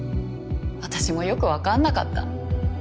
私もよくわかんなかった。